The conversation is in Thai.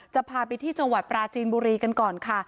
จะพาไปที่จังหวัดปราจีนบุรีกันก่อนค่ะ